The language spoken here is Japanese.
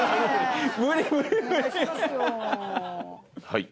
はい。